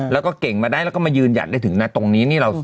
แล้วก็เก่งมาได้แล้วก็มายืนหยัดได้ถึงนะตรงนี้